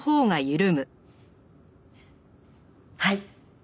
はい。